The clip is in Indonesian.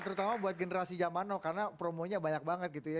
terutama buat generasi zaman now karena promonya banyak banget gitu ya